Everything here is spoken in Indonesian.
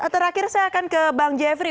terakhir saya akan ke bang jeffrey